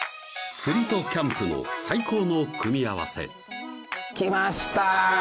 釣りとキャンプの最高の組み合わせ来ました